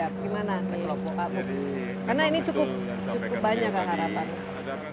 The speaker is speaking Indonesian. bagaimana pak bupati karena ini cukup banyak harapan